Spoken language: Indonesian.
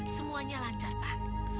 semuanya lancar pak